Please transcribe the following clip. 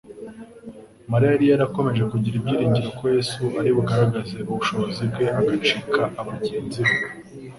Mariya yari yakomeje kugira ibyiringiro ko Yesu aribugaragaze ubushobozi bwe, agacika abanzi be.